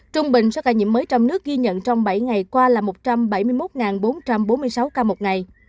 trung bình số ca nhiễm mới trong nước ghi nhận trong bảy ngày qua là một trăm bảy mươi một bốn trăm bốn mươi sáu ca một ngày